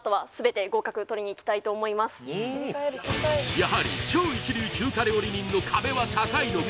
やはり超一流中華料理人の壁は高いのか？